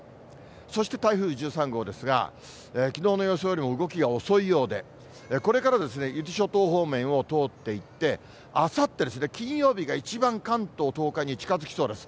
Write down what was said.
そして台風１３号ですが、きのうの予想よりも動きが遅いようで、これから伊豆諸島方面を通っていって、あさってですね、金曜日が一番関東、東海に近づきそうです。